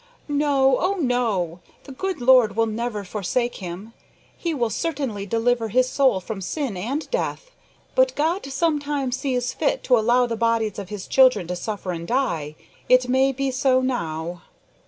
"No, oh, no! the good Lord will never forsake him. He will certainly deliver his soul from sin and death; but God sometimes sees fit to allow the bodies of His children to suffer and die. It may be so now."